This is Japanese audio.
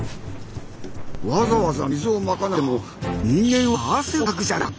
わざわざ水をまかなくても人間は汗をかくじゃないか！